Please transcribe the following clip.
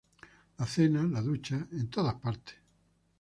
la cena, la ducha, en todas partes.